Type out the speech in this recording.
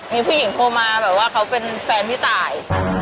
มีผู้หญิงโทรมาแบบว่าเขาเป็นแฟนพี่ตาย